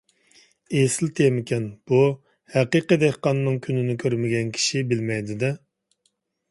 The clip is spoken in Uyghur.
ئېسىل تېمىكەن! بۇ ھەقىقىي دېھقاننىڭ كۈنىنى كۆرمىگەن كىشى بىلمەيدۇ-دە.